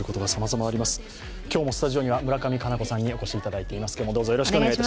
今日もスタジオには村上佳菜子さんにおいでいただいています。